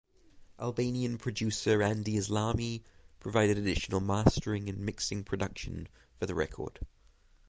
Albanian producer Andi Islami provided additional mastering and mixing production for the record.